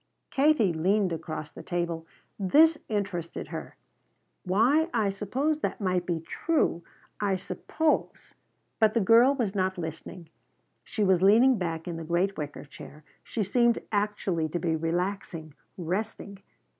Katie leaned across the table. This interested her. "Why I suppose that might be true. I suppose " But the girl was not listening. She was leaning back in the great wicker chair. She seemed actually to be relaxing, resting.